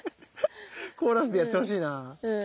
コーラスでやってほしいな。